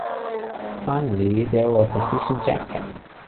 Finally, there was a fission jacket.